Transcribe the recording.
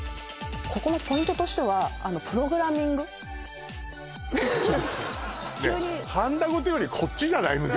ここのポイントとしてはプログラミングちょっと待ってはんだごてよりこっちじゃない？